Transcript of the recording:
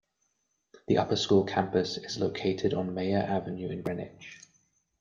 The Upper School campus is located on Maher Avenue in Greenwich.